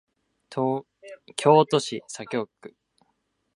京都市左京区